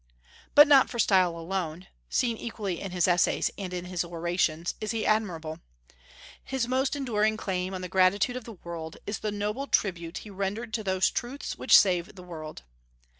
But not for style alone seen equally in his essays and in his orations is he admirable. His most enduring claim on the gratitude of the world is the noble tribute he rendered to those truths which save the world.